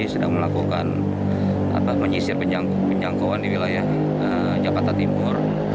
sedang melakukan menyisir penjangkauan di wilayah jakarta timur